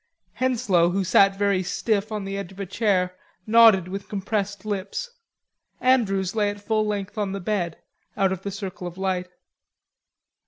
Henslowe, who sat very stiff on the edge of a chair, nodded with compressed lips. Andrews lay at full length on the bed, out of the circle of light.